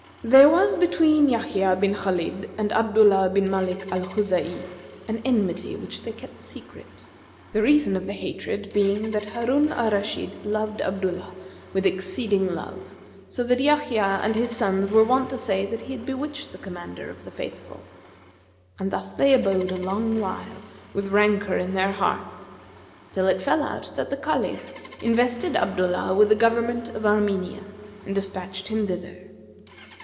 There was between Yбhyб bin Khбlid and Abdullah bin Mбlik al Khuzб'i,[FN#248] an enmity which they kept secret; the reason of the hatred being that Harun al Rashid loved Abdullah with exceeding love, so that Yahya and his sons were wont to say that he had bewitched the Commander of the Faithful. And thus they abode a long while, with rancour in their hearts, till it fell out that the Caliph invested Abdullah with the government of Armenia[FN#249] and despatched him thither.